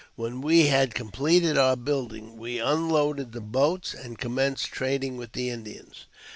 When we had completed our building we unloaded the boats, and commenced trading with the Indians.